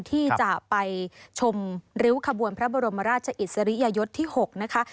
ที่จะไปชมริ้วขบวนพระบรมราชอิสริยยศที่๖นะคะ